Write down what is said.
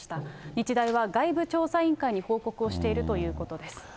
日大は外部調査委員会に報告をしているということです。